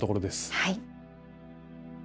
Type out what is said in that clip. はい。